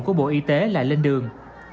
của bộ y tế lại lên đường